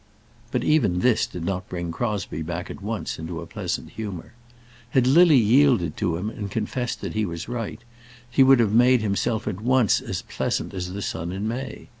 But even this did not bring Crosbie back at once into a pleasant humour. Had Lily yielded to him and confessed that he was right, he would have made himself at once as pleasant as the sun in May.